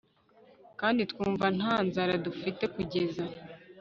kandi twumva nta nzara dufite kugeza